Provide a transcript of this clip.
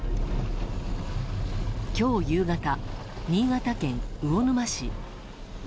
今日夕方、新潟県魚沼市。